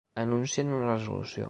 Anuncien una resolució.